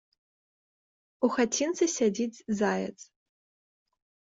У хацінцы сядзіць заяц.